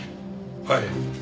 はい。